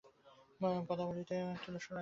পদাবলীতে ওরই একটি দোসর আছে– বঁধু।